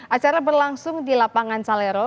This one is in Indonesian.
acara berlangsung di lapangan salero